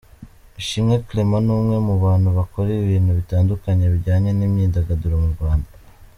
Ishimwe Clement, ni umwe mu bantu bakora ibintu bitandukanye bijyanye n’imyidagaduro mu Rwanda.